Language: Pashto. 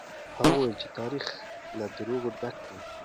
هغه وويل چې تاريخ له دروغو ډک دی.